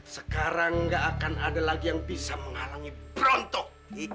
sekarang gak akan ada lagi yang bisa menghalangi perontok